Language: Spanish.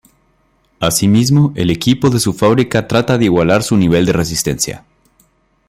Asimismo el equipo que se fabrica trata de igualar su nivel de resistencia.